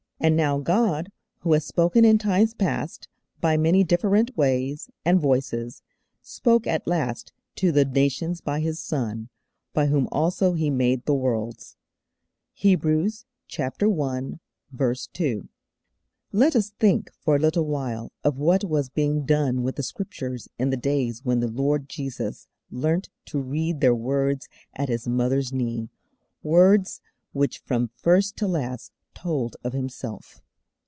And now God, who has spoken in times past by many different ways and voices, spoke at last to the nations by His Son, 'by whom also He made the worlds.' (Hebrews i. 2.) Let us think for a little while of what was being done with the Scriptures in the days when the Lord Jesus learnt to read their words at His mother's knee; words which from first to last told of Himself.